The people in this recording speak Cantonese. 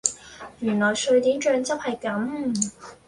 原來瑞典醬汁係咁